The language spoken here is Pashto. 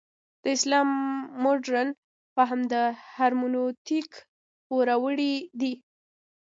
د اسلام مډرن فهم د هرمنوتیک پوروړی دی.